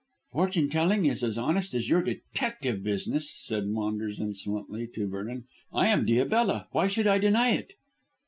"Fortune telling is as honest as your detective business," said Maunders insolently to Vernon. "I am Diabella. Why should I deny it?"